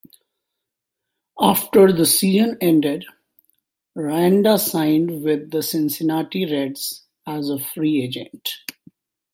After the season ended, Randa signed with the Cincinnati Reds as a free agent.